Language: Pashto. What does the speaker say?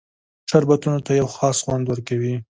شربتونو ته یو خاص خوند ورکوي.